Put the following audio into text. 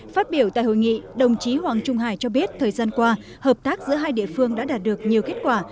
phát biểu tại hội nghị đồng chí hoàng trung hải cho biết thời gian qua hợp tác giữa hai địa phương đã đạt được nhiều kết quả